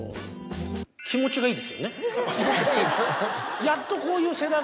「気持ちがいい」。